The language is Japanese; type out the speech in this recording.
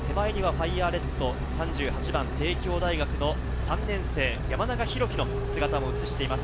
手前にはファイヤーレッド、３８番、帝京大学の３年生、山中博生の姿も映しています。